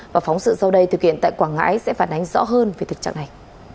và phóng sự sau đây thực hiện tại quảng ngãi sẽ phản ánh rõ hơn về thực trạng này